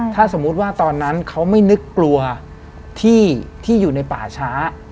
ถ้าสมมุติว่าตอนนั้นเขาไม่นึกกลัวที่อยู่ในป่าช้า